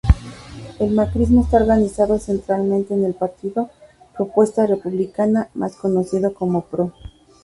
El macrismo está organizado centralmente en el partido Propuesta Republicana, más conocido como Pro.